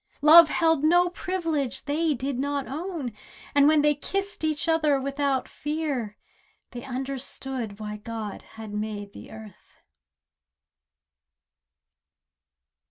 Love held no privilege they did not own, And when they kissed each other without fear, They understood why God had made the earth.